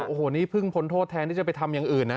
โอ้โหนี่เพิ่งพ้นโทษแทนที่จะไปทำอย่างอื่นนะ